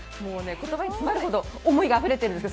言葉に詰まるほど思いがあふれているんです。